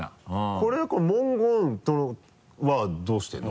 これは文言はどうしてるの？